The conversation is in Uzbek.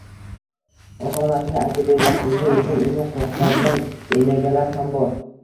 ota-onasiga aytib bermasligi uchun uni qo‘rqitadigan enagalar ham bor.